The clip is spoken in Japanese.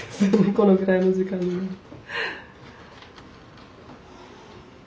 このぐらいの時間になると。